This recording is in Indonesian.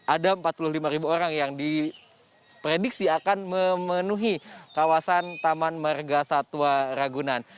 ada empat puluh lima ribu orang yang diprediksi akan memenuhi kawasan taman merga satwa ragunan